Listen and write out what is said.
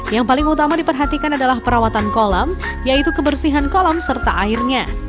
yang paling utama diperhatikan adalah perawatan kolam yaitu kebersihan kolam serta airnya